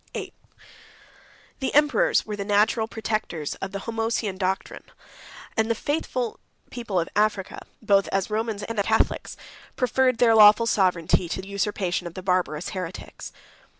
VIII. The emperors were the natural protectors of the Homoousian doctrine; and the faithful people of Africa, both as Romans and as Catholics, preferred their lawful sovereignty to the usurpation of the Barbarous heretics.